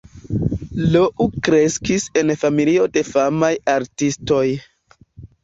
Lou kreskis en familio de famaj artistoj.